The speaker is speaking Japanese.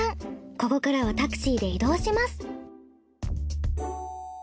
ここからはタクシーで移動します。